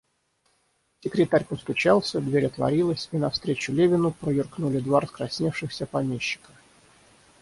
Секретарь постучался, дверь отворилась, и навстречу Левину проюркнули два раскрасневшиеся помещика.